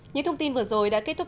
những thông tin vừa rồi đã kết thúc